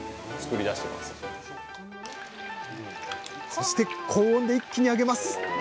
そして高温で一気に揚げます！